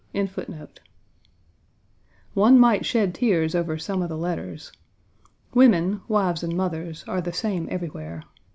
1 One might shed tears over some of the letters. Women, wives and mothers, are the same everywhere.